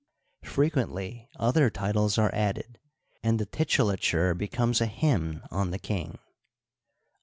Frequently other titles are added, and the titulature becomes a hymn on the king.